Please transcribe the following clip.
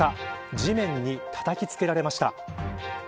地面にたたきつけられました。